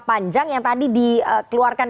panjang yang tadi dikeluarkan